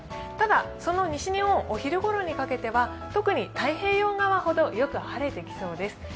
ただ、西日本お昼ごろにかけては特に太平洋側ほど晴れてきそうです。